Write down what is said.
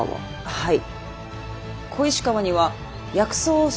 はい。